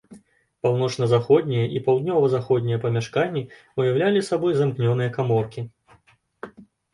Паўночна-заходняе і паўднёва-заходняе памяшканні ўяўлялі сабой замкнёныя каморкі.